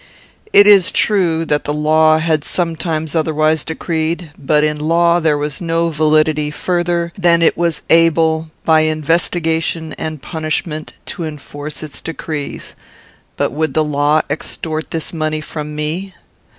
It is true, that the law had sometimes otherwise decreed, but in law there was no validity further than it was able, by investigation and punishment, to enforce its decrees: but would the law extort this money from me?